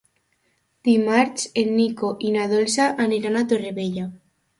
Dimarts en Nico i na Dolça aniran a Torrevella.